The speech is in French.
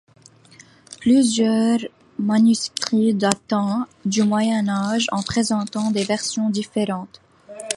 Plusieurs manuscrits datant du Moyen Âge en présentent des versions différentes.